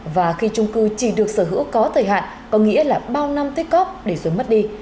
và khi trung cư chỉ được sở hữu có thời hạn có nghĩa là bao năm tích cóp để rồi mất đi